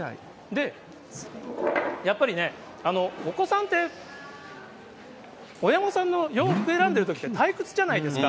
やっぱりね、お子さんって、親御さんの洋服選んでるときって退屈じゃないですか。